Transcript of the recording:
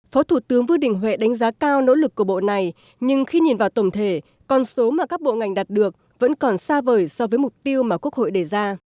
phó thủ tướng vương đình huệ đánh giá cao nỗ lực của bộ này nhưng khi nhìn vào tổng thể con số mà các bộ ngành đạt được vẫn còn xa vời so với mục tiêu mà quốc hội đề ra